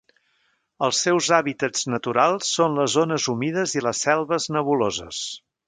Els seus hàbitats naturals són les zones humides i les selves nebuloses.